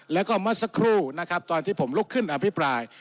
แล้วก็เมื่อสักครู่นะครับตอนที่ผมลุกขึ้นอภิปราย